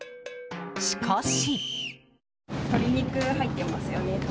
しかし。